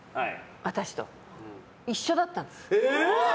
私と、一緒だったんです。